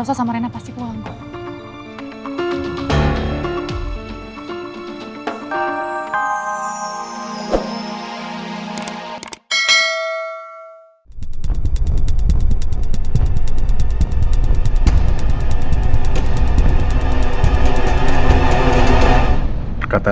atau bertemu di pengadilan